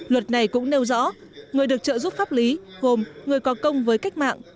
luật này cũng nêu rõ người được trợ giúp pháp lý gồm người có công với cách mạng